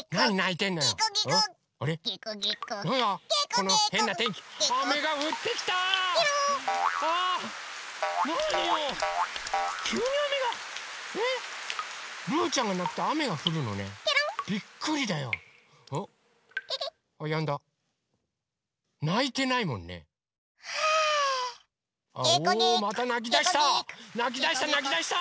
なきだしたなきだした！